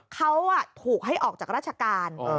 เขาถูกให้ออกจากราชการ